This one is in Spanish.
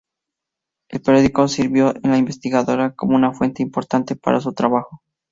El periódico sirvió a la investigadora como una fuente importante para su trabajo.